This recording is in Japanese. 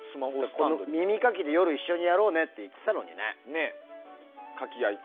耳かきで、夜一緒にやろうねって言ってたのにね。